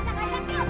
kamu yang duluan